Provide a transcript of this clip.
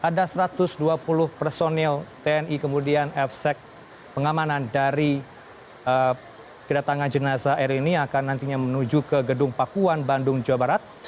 ada satu ratus dua puluh personil tni kemudian fsec pengamanan dari kedatangan jenazah eril ini akan nantinya menuju ke gedung pakuan bandung jawa barat